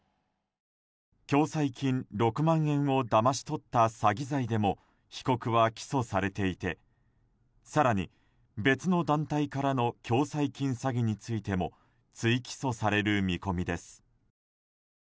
共済金６万円をだまし取った詐欺罪でも被告は起訴されていて更に別の団体からの共済金詐欺についても追起訴される見込みです。